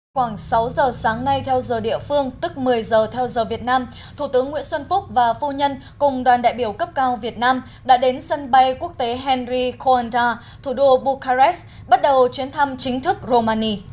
khoảng sáu giờ sáng nay theo giờ địa phương tức một mươi giờ theo giờ việt nam thủ tướng nguyễn xuân phúc và phu nhân cùng đoàn đại biểu cấp cao việt nam đã đến sân bay quốc tế henry coanda thủ đô bucharest bắt đầu chuyến thăm chính thức romani